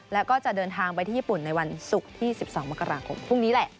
แล้วก็จะเดินทางไปที่ญี่ปุ่นในวันศุกร์ที่๑๒มกราคมพรุ่งนี้แหละ